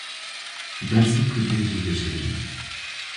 Dersa kurdî hilbijêrin.